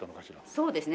そうですね。